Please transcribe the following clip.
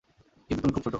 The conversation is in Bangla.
কিন্তু তুমি খুব ছোট।